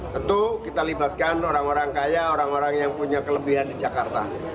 tentu kita libatkan orang orang kaya orang orang yang punya kelebihan di jakarta